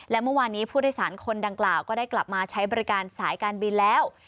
และเมื่อวานนี้ผู้โดยสารคนดังกล่าวก็ได้กลับมาใช้บริการสายการบินแล้ว